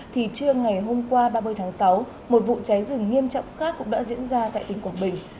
thì trưa ngày hôm qua ba mươi tháng sáu một vụ cháy rừng nghiêm trọng khác cũng đã diễn ra tại tỉnh quảng bình